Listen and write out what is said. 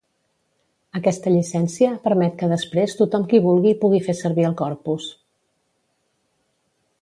Aquesta llicència permet que després tothom qui vulgui puguin fer servir el corpus.